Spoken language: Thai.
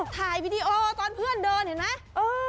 ถ่ายวีดีโอตอนเพื่อนเดินเห็นไหม